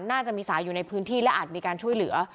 น่าจะมีสายอยู่ในพื้นที่และอาจมีการช่วยเหลือ